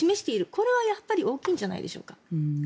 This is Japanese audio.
これは大きいんじゃないでしょうか。